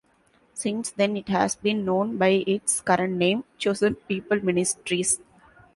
Since then it has been known by its current name, Chosen People Ministries.